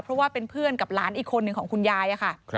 เพราะว่าเป็นเพื่อนกับหลานอีกคนหนึ่งของคุณยายค่ะ